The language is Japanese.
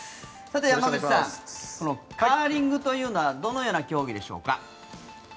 さて、山口さんカーリングというのはどのような競技でしょうか。